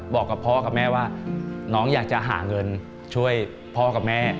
บอกกับพ่อกับแม่ว่าน้องอยากจะหาเงินช่วยพ่อกับแม่